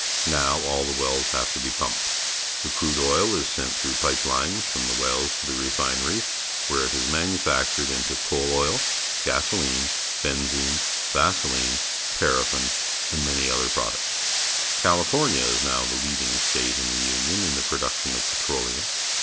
Now all the wells have to be pumped. The llic Goose Creek Oil field, Texas crude oil is sent through pipe Hnes from the wells to the refineries, where it is manufac tured into coal oil, gasoline, benzine, vaseUne, paraffin, and many other products. Cali fornia is now the leading state in the Union in the production of petroleum.